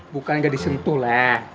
bukan gak disuntuh leh